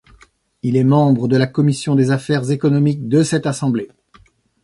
Il est membre de la commission des Affaires économiques de cette assemblée.